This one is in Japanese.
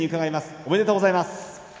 ありがとうございます。